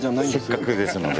せっかくですので。